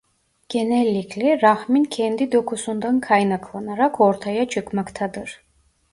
Genellikle rahmin kendi dokusundan kaynaklanarak ortaya çıkmaktadır.